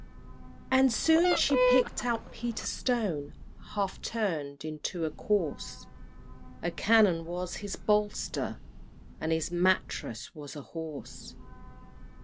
And soon she picked out Peter Stone, Half turned into a corse; A cannon was his bolster, and His mattrass was a horse.